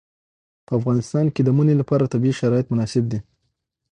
په افغانستان کې د منی لپاره طبیعي شرایط مناسب دي.